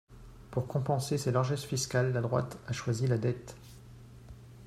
Pour compenser ses largesses fiscales, la droite a choisi la dette.